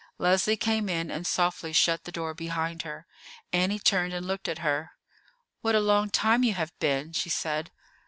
Leslie came in and softly shut the door behind her. Annie turned and looked at her. "What a long time you have been," she said.